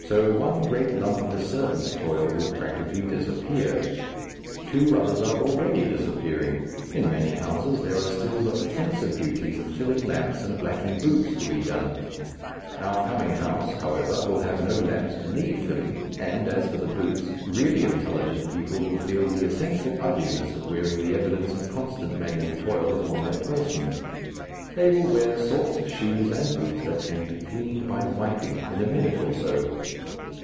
So one great lump of the servant's toil will practically disappear. Two others are already disappearing. In many houses there are still the offensive duties of filling lamps and blacking boots to be done. Our coming house, however, will have no lamps to need filling, and, as for the boots, really intelligent people will feel the essential ugliness of wearing the evidence of constant manual toil upon their persons. They will wear sorts of shoes and boots that can be cleaned by wiping in a minute or so.